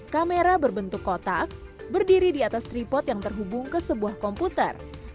kamera berbentuk kotak berdiri di atas tripot yang terhubung ke sebuah komputer